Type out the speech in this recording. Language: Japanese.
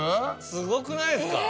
すごくないですか。